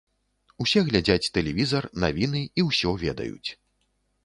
Усе глядзяць тэлевізар, навіны, і ўсё ведаюць.